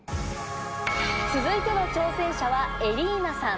続いての挑戦者はエリーナさん。